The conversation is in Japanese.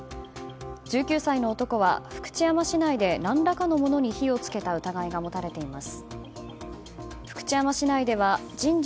１９歳の男は福知山市内で何らかのものに火を付けた疑いが持たれています。